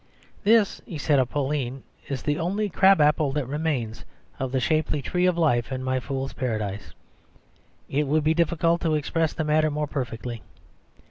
"This," he said of Pauline, "is the only crab apple that remains of the shapely tree of life in my fool's paradise." It would be difficult to express the matter more perfectly.